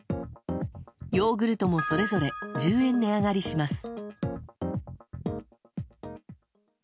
ヨーグルトもそれぞれ１０円値上がりします。